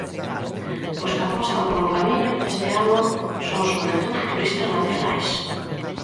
Os que apostan polo camiño este ano son sobre todo turistas nacionais.